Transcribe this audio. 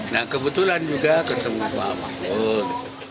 nah kebetulan juga ketemu pak mahfud